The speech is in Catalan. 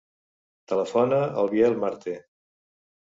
Telefona al Biel Marte.